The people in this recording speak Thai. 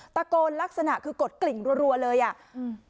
ตะโกนลักษณะคือกดกลิ่งรัวเลยอ่ะอืม